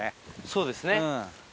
そうですね。